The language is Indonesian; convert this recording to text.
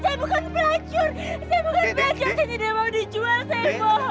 saya bukan pelacur